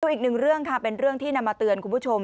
อีกหนึ่งเรื่องค่ะเป็นเรื่องที่นำมาเตือนคุณผู้ชม